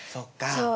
そう。